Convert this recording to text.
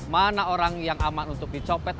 mana orang yang aman untuk dicopet